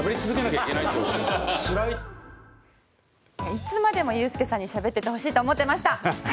いつまでもユースケさんに喋っててほしいと思ってました。